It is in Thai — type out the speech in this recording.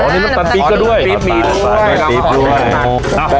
น้ำปลาปี๊บก็ด้วยน้ำปลาปี๊บด้วยน้ำปลาปี๊บด้วยน้ำปลาปี๊บด้วย